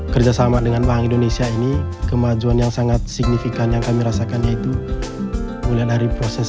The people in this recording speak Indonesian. kerjasama dengan bank indonesia ini kemajuan yang sangat signifikan yang kami rasakan yaitu mulai dari proses penanaman sampai dengan hasil dari panen itu sendiri